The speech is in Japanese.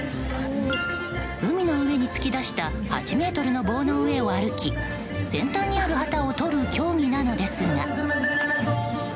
海の上に突き出した８ｍの棒の上を歩き先端にある旗を取る競技なのですが。